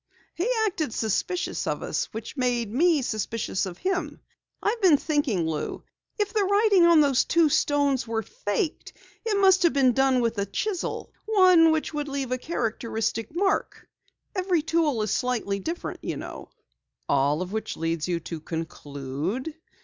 "He acted suspicious of us, which made me suspicious of him. I've been thinking, Lou if the writing on those two stones were faked, it must have been done with a chisel one which would leave a characteristic mark. Every tool is slightly different, you know." "All of which leads you to conclude